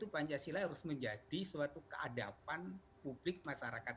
pancasila harus menjadi suatu keadapan publik masyarakat